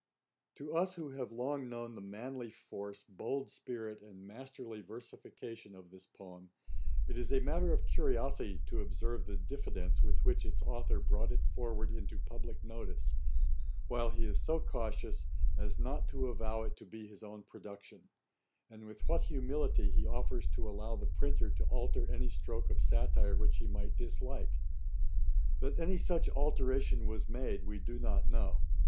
A.D. 1738.] To us who have long known the manly force, bold spirit, and masterly versification of this poem, it is a matter of curiosity to observe the diffidence with which its authour brought it forward into publick notice, while he is so cautious as not to avow it to be his own production; and with what humility he offers to allow the printer to 'alter any stroke of satire which he might dislike.' That any such alteration was made, we do not know.